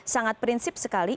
sangat prinsip sekali